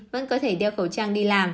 vẫn có thể đeo khẩu trang đi làm